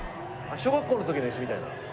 小学校のときの椅子みたいな。